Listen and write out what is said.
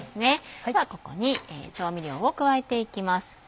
ではここに調味料を加えていきます。